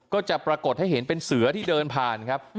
ก็จะปรากฏให้เห็นเป็นเสือที่เดินผ่านครับ